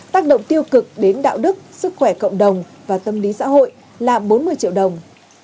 tác động tiêu cực đến đạo đức sức khỏe cộng đồng và tâm lý xã hội là bốn mươi triệu đồng